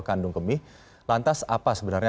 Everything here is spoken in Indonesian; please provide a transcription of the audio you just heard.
kandung kemih lantas apa sebenarnya